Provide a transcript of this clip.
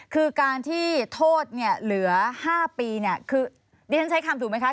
คือการที่โทษเหลือ๕ปีนี่ท่านใช้คำถูกไหมคะ